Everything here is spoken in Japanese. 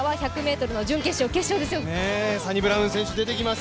サニブラウン選手出てきます。